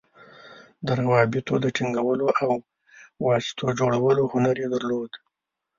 د روابطو د ټینګولو او واسطو جوړولو هنر یې درلود.